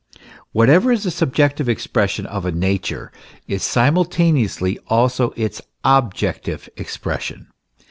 Whatever is a subjective expression of a nature is simultaneously also its objective expression.